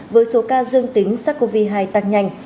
với số ca dương tính sars cov hai tăng nhanh